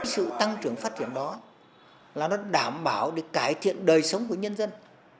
sự tăng trưởng phát triển đó là nó đảm bảo để cải thiện đời sống của nhân dân